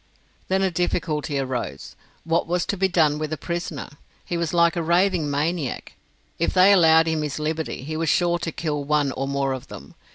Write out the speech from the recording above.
Then a difficulty arose. What was to be done with the prisoner? He was like a raving maniac. If they allowed him his liberty, he was sure to kill one or more of them.